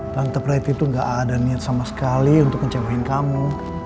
tante priti itu gak ada niat sama sekali untuk ngecewain kamu